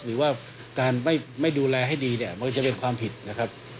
หรือว่าการไม่ดูแลให้ดีเนี่ยมันจะเป็นความผิดนะครับ